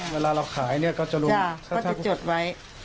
เวลาเราขายเนี่ยก็จะรวมจดไว้